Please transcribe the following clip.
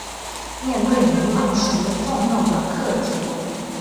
面对迷惘时重要的课题